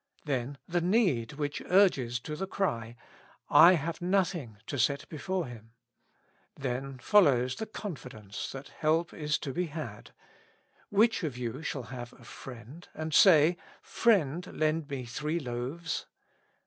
Then the need which urges to the cry: '' I have nothing to set before him." Then follows the confidence that help is to be had : "which of you shall have Sl. friend ^ and say, Frietid, lend me three loaves."